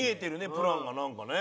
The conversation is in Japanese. プランがなんかね。